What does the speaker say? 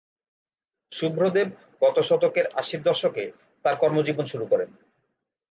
শুভ্র দেব গত শতকের আশির দশকে তার কর্মজীবন শুরু করেন।